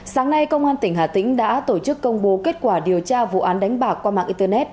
sáng nay công an tỉnh hà tĩnh đã tổ chức công bố kết quả điều tra vụ án đánh bạc qua mạng internet